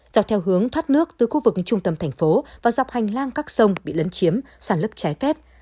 dọc theo hướng thoát nước từ khu vực trung tâm thành phố và dọc hành lang các sông bị lấn chiếm sản lấp trái phép